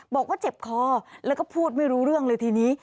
บอกว่าเจ็บคอแล้วก็พูดไม่รู้เรื่องเลยทีนี้